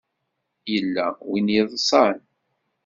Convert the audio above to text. Yella win yeḍsan.